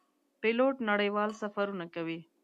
پیلوټ نړیوال سفرونه کوي.